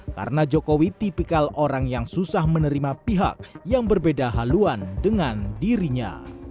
karena jokowi tipikal orang yang susah menerima pihak yang berbeda haluan dengan dirinya